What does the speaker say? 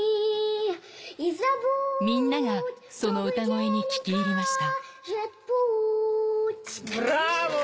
みんながその歌声に聞き入りました。